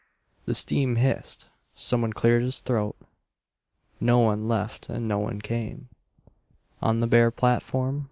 The steam hissed. Someone cleared his throat. No one left and no one came On the bare platform.